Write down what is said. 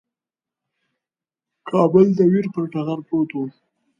کابل د ویر پر ټغر پروت وو.